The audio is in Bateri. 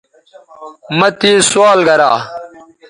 مہ تے سوال گرا